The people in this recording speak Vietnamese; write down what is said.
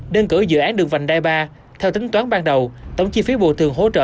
đơn cử dự án đường vành đai ba theo tính toán ban đầu tổng chi phí bộ thường hỗ trợ